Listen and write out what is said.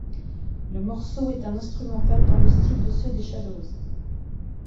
Le morceau est un instrumental dans le style de ceux des Shadows.